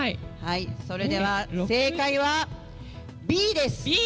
それでは正解は、Ｂです。